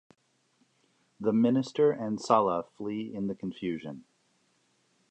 The Minister and Sala flee in the confusion.